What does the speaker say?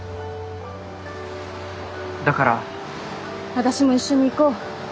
私も一緒に行こう。